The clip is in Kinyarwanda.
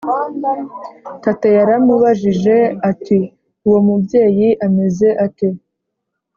tate yaramubajije ati:uwo mubyeyi ameze ate